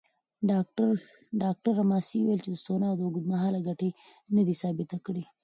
ډاکټره ماسي وویل چې سونا اوږدمهاله ګټې ندي ثابته کړې.